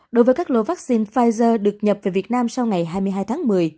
đối với các lô vaccine pfizer được nhập về việt nam sau ngày hai mươi hai tháng một mươi